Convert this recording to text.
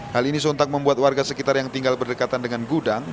hal ini sontak membuat warga sekitar yang tinggal berdekatan dengan gudang